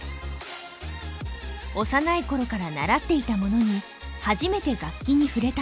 幼いころから習っていた者に初めて楽器に触れた者。